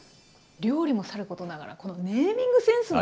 料理もさることながらこのネーミングセンスも。